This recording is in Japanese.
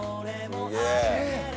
すげえ。